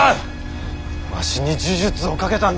わしに呪術をかけたんじゃ。